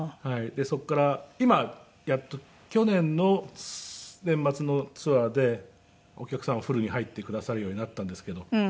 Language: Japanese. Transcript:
でそこから今やっと去年の年末のツアーでお客さんはフルに入ってくださるようになったんですけど。